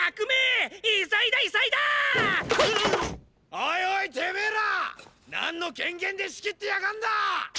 オイオイてめェら何の権限で仕切ってやがんだ！